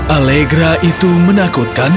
allegra itu menakutkan